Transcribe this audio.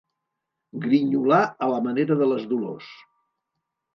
Grinyolar a la manera de les Dolors.